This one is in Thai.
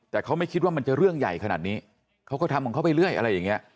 แต่เขาไม่คิดว่ามันจะเรื่องใหญ่ขนาดนี้เขาก็ทำของเขาไปเรื่อยอะไรอย่างเงี้ย